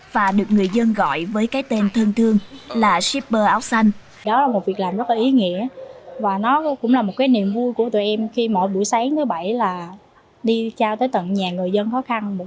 và được người dân gọi với cái tên thân thương là shipper áo xanh